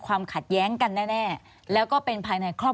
ควิทยาลัยเชียร์สวัสดีครับ